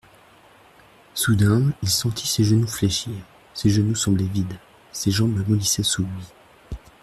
Soudain, il sentit ses genoux fléchir : ses genoux semblaient vides, ses jambes mollissaient sous lui.